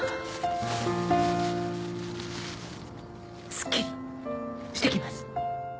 すっきりしてきます。